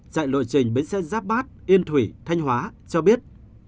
chạy lộ trình bến xe giáp bát yên thủy thanh hóa cho biết